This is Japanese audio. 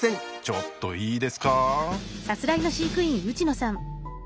ちょっといいですか。